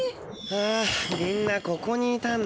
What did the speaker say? あみんなここにいたんだ。